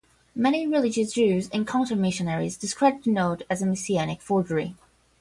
Many religious Jews and counter missionaries discredit the note as a Messianic forgery.